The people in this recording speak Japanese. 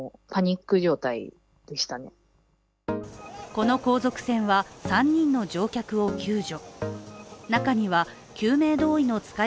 この後続船は、３人の乗客を救助。